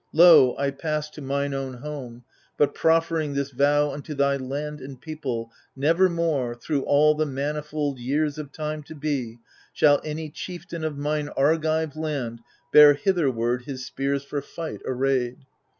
Lo, I pass THE FURIES 171 To mine own liome, but proffering this vow Unto thy land and people : Nevermore^ Thr& all the manifold years of Time to be^ Shall any chieftain of mine Argive land Bear hitherward his spears for fight arrayed.